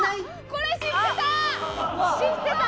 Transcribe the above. これ知ってた！